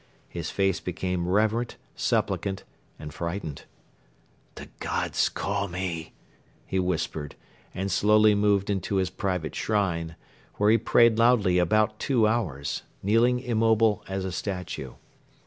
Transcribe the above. His face became reverent, supplicant and frightened. "The Gods call me," he whispered and slowly moved into his private shrine, where he prayed loudly about two hours, kneeling immobile as a statue.